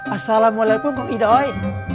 assalamualaikum kak idoi